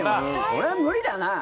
これは無理だな。